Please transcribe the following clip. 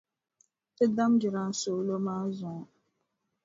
Ti dami jilansooro maa zuŋɔ.